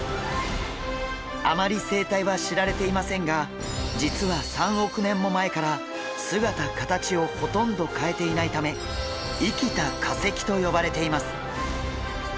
あまり生態は知られていませんが実は３億年も前から姿形をほとんど変えていないため生きた化石と呼ばれています。